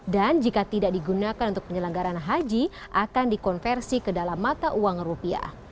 jika tidak digunakan untuk penyelenggaran haji akan dikonversi ke dalam mata uang rupiah